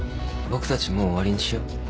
僕たちもう終わりにしよう。